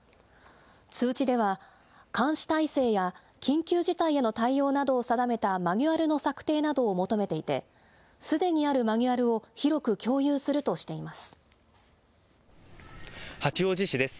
通知では、監視体制や緊急事態への対応などを定めたマニュアルの策定などを求めていて、すでにあるマニュアルを広く共有するとしています。